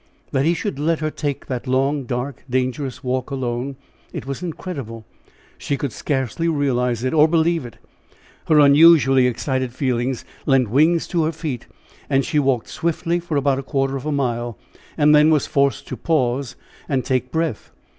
That he should let her take that long, dark, dangerous walk alone! it was incredible! she could scarcely realize it, or believe it! Her unusually excited feelings lent wings to her feet, and she walked swiftly for about a quarter of a mile, and then was forced to pause and take breath.